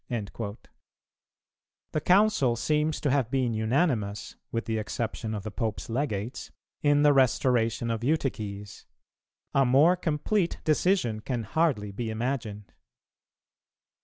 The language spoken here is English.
"[305:1] The Council seems to have been unanimous, with the exception of the Pope's Legates, in the restoration of Eutyches; a more complete decision can hardly be imagined.